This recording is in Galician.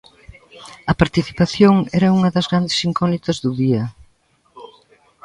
A participación era unha das grandes incógnitas do día.